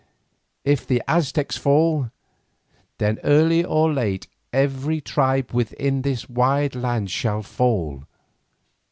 If the Aztecs fall, then early or late every tribe within this wide land shall fall.